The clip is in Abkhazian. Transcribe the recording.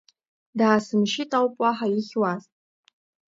Даасмышьҭит ауп, уаҳа ихьуаз?